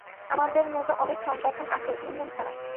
আমাদের মতো অনেক সংগঠন আছে ইউনিয়ন ছাড়া।